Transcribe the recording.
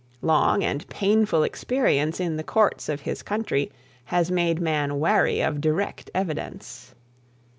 Long and painful experience in the courts of his country has made man wary of direct evidence.